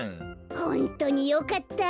ホントによかった。